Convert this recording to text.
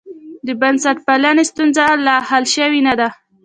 د بنسټپالنې ستونزه لا حل شوې نه ده.